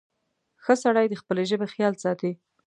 • ښه سړی د خپلې ژبې خیال ساتي.